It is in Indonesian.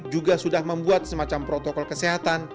juga sudah membuat semacam protokol kesehatan